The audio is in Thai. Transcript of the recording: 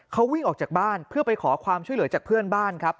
เขาวิ่งออกจากบ้านเพื่อไปขอความช่วยเหลือจากเพื่อนบ้านครับ